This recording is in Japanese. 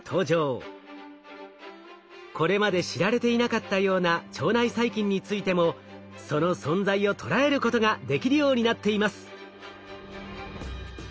これまで知られていなかったような腸内細菌についてもその存在を捉えることができるようになっています。